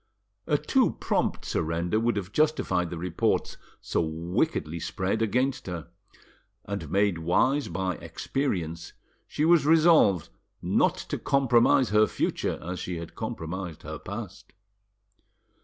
A too prompt surrender would have justified the reports so wickedly spread against her; and, made wise by experience, she was resolved not to compromise her future as she had compromised her past.